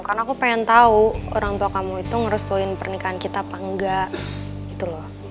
kan aku pengen tau orang tua kamu itu harus nguhin pernikahan kita apa engga gitu loh